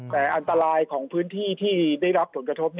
แต่อันตรายของพื้นที่ที่ได้รับผลกระทบ